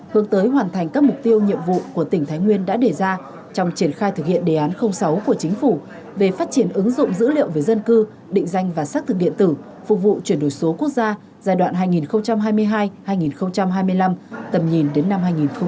hướng tới hoàn thành các mục tiêu nhiệm vụ của tỉnh thái nguyên đã đề ra trong triển khai thực hiện đề án sáu của chính phủ về phát triển ứng dụng dữ liệu về dân cư định danh và xác thực điện tử phục vụ chuyển đổi số quốc gia giai đoạn hai nghìn hai mươi hai hai nghìn hai mươi năm tầm nhìn đến năm hai nghìn ba mươi